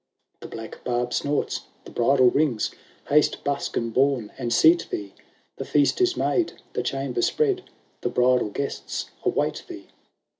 " The black Barb snorts, the bridle rings ; Haste, busk, and boune, and seat thee ! The feast is made, the chamber spread, The bridal guests await thee."